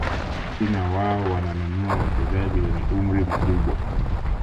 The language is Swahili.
china wao wananunua wachezaji wenye umri mkubwa